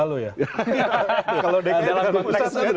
kalau dki dalam konteks